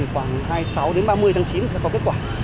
khoảng hai mươi sáu đến ba mươi tháng chín sẽ có kết quả